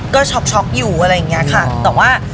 ก็ช็อกอยู่อะไรอย่างนี้ค่ะแต่ว่า